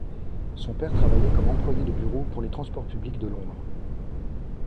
Son père travaillait comme employé de bureau pour les transports publics de Londres.